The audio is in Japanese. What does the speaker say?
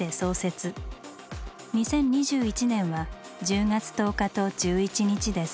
２０２１年は１０月１０日と１１日です。